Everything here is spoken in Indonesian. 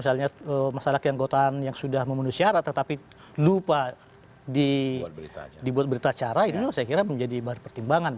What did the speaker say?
misalnya masyarakat keanggotaan yang sudah memenuhi syarat tetapi lupa dibuat berita acara itu saya kira menjadi bahan pertimbangan